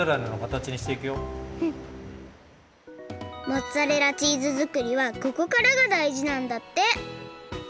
モッツァレラチーズ作りはここからがだいじなんだって。